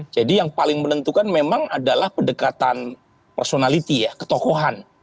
jadi yang paling menentukan memang adalah pendekatan personality ya ketokohan